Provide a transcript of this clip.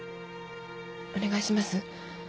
お願いします。